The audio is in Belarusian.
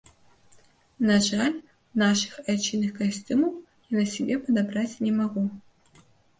На жаль, нашых айчынных касцюмаў я на сябе падабраць не магу.